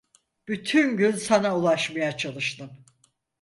Bütün gün sana ulaşmaya çalıştım.